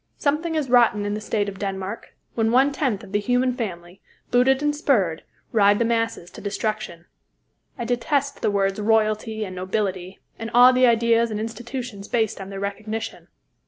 "Something is rotten in the state of Denmark" when one tenth of the human family, booted and spurred, ride the masses to destruction. I detest the words "royalty" and "nobility," and all the ideas and institutions based on their recognition.